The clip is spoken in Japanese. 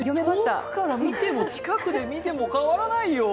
遠くから見ても、近くで見ても変わらないよ。